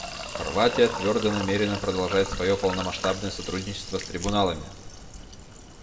Хорватия твердо намерена продолжать свое полномасштабное сотрудничество с трибуналами.